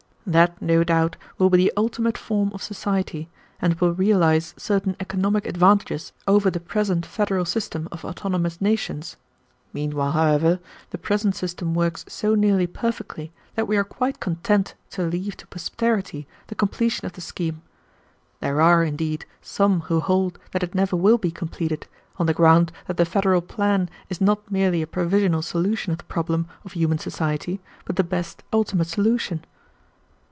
That, no doubt, will be the ultimate form of society, and will realize certain economic advantages over the present federal system of autonomous nations. Meanwhile, however, the present system works so nearly perfectly that we are quite content to leave to posterity the completion of the scheme. There are, indeed, some who hold that it never will be completed, on the ground that the federal plan is not merely a provisional solution of the problem of human society, but the best ultimate solution."